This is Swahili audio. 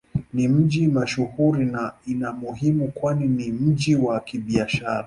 Ni mji mashuhuri na ni muhimu kwani ni mji wa Kibiashara.